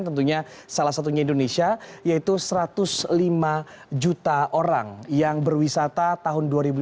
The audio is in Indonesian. tentunya salah satunya indonesia yaitu satu ratus lima juta orang yang berwisata tahun dua ribu lima belas